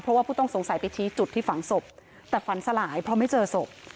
เพราะว่าผู้ต้องสงสัยไปชี้จุดที่ฝังศพแต่ฝันสลายเพราะไม่เจอศพ